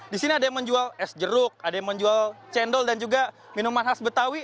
di sini ada yang menjual es jeruk ada yang menjual cendol dan juga minuman khas betawi